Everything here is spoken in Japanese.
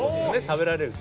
食べられる。